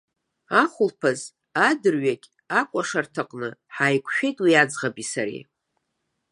Ахәылԥаз адырҩегь акәашарҭаҟны ҳаиқәшәеит уи аӡӷаби сареи.